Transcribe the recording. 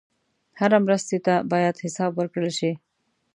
هره مرستې ته باید حساب ورکړل شي.